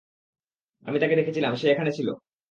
আমি তাকে দেখেছিলাম, সে এখানে ছিলো।